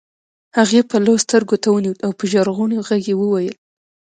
هغې پلو سترګو ته ونيوه او په ژړغوني غږ يې وويل.